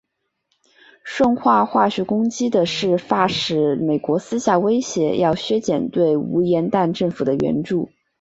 顺化化学攻击的事发使美国私下威胁要削减对吴廷琰政府的援助。